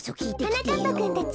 はなかっぱくんたち。